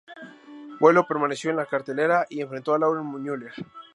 Botelho permaneció en la cartelera y enfrentó a Lauren Mueller.